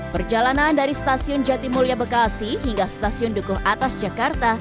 perjalanan dari stasiun jatimulya bekasi hingga stasiun dukuh atas jakarta